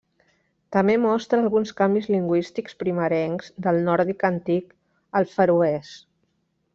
També mostra alguns canvis lingüístics primerencs del nòrdic antic al feroès.